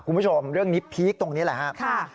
คุณผู้ชมเรื่องนี้พีคตรงนี้แหละครับ